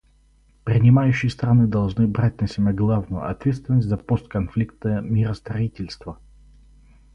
Принимающие страны должны брать на себя главную ответственность за постконфликтное миростроительство.